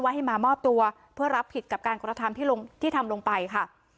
ให้มามอบตัวเพื่อรับผิดกับการกระทำที่ทำลงไปค่ะ